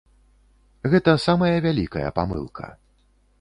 Гэта самая вялікая памылка.